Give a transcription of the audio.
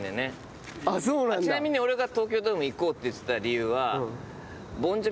ちなみに俺が東京ドーム行こうって言ってた理由は。